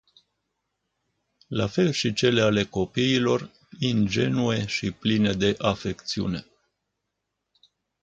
La fel și cele ale copiilor, ingenue și pline de afecțiune.